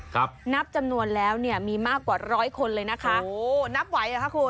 ครับนับจำนวนแล้วเนี่ยมีมากกว่าร้อยคนเลยนะคะโอ้นับไหวเหรอคะคุณ